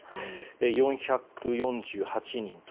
４４８人と。